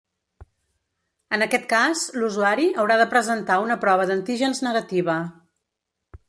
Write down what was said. En aquest cas, l’usuari haurà de presentar una prova d’antígens negativa.